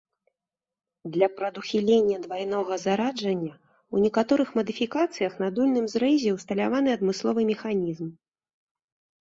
Для прадухілення двайнога зараджання ў некаторых мадыфікацыях на дульным зрэзе усталяваны адмысловы механізм.